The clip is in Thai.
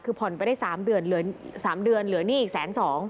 คือผ่อนไปได้สามเดือนเหลือหนี้อีกแสงสอง